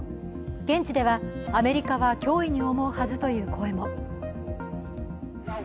現地では、アメリカは脅威に思うはずという声も。